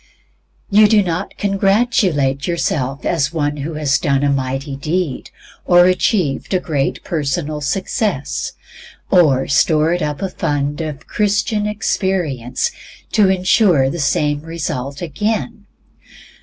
You do not congratulate yourself as one who has done a mighty deed, or achieved a personal success, or stored up a fund of "Christian experience" to ensure the same result again.